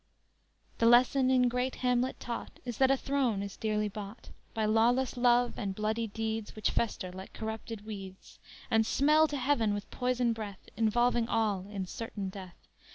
_The lesson in great Hamlet taught, Is that a throne is dearly bought By lawless love and bloody deeds, Which fester like corrupted weeds, And smell to heaven with poison breath Involving all in certain death.